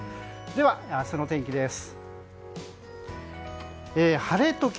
では明日の天気です。